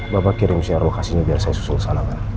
bapak kirim share lock asinya biar saya susul ke sana pak